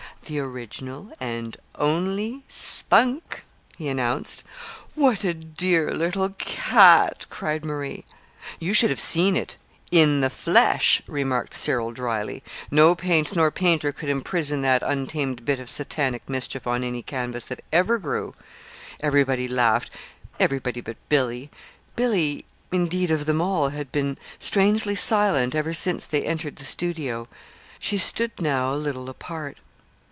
"The original and only Spunk," he announced. "What a dear little cat!" cried Marie. "You should have seen it in the flesh," remarked Cyril, dryly. "No paint nor painter could imprison that untamed bit of Satanic mischief on any canvas that ever grew!" Everybody laughed everybody but Billy. Billy, indeed, of them all, had been strangely silent ever since they entered the studio. She stood now a little apart.